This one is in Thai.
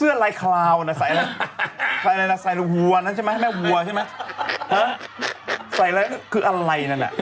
เอาเขาน่ารักเลยนะ